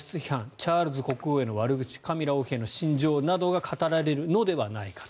チャールズ国王への悪口カミラ王妃への心情などが語られるのではないかと。